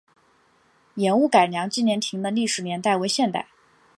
盐务改良纪念亭的历史年代为现代。